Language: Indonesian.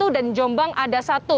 dan jombang ada satu